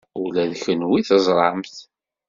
Ula d kenwi teẓram-t.